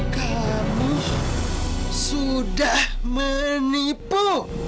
kamu sudah menipu